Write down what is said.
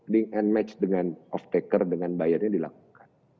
link and match dengan off taker dengan bayarnya dilakukan